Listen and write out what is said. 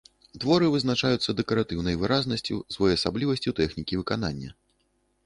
Творы вызначаюцца дэкаратыўнай выразнасцю, своеасаблівасцю тэхнікі выканання.